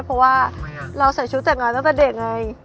เพราะว่าเราใส่ชุดแต่งงานตั้งแต่เด็กไง